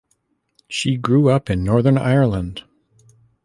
She grew up in Northern Ireland.